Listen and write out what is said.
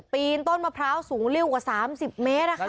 ปีนต้นมะพร้าวสูงริ้วกว่า๓๐เมตร